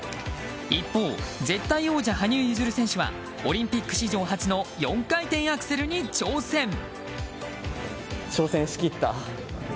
一方、絶対王者羽生結弦選手はオリンピック史上初の４回転アクセルに挑戦。